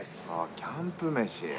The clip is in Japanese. キャンプ飯。